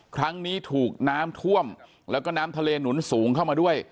ครั้งนี้ถูกน้ำท่วมแล้วก็น้ำทะเลหนุนสูงเข้ามาด้วย